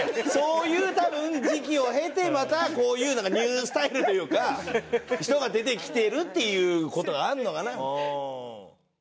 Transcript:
そういう多分時期を経てまたこういうなんかニュースタイルというか人が出てきてるっていう事があるのかな。